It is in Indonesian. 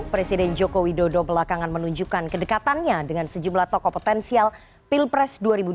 presiden joko widodo belakangan menunjukkan kedekatannya dengan sejumlah tokoh potensial pilpres dua ribu dua puluh